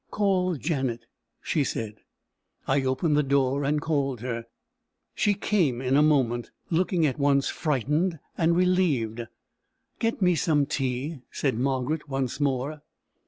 "Call Janet," she said. I opened the door, and called her. She came in a moment, looking at once frightened and relieved. "Get me some tea," said Margaret once more.